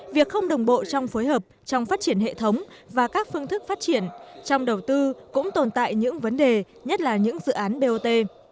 việc không đồng bộ trong phối hợp trong phát triển hệ thống và các phương thức phát triển trong đầu tư cũng tồn tại những vấn đề nhất là những dự án bot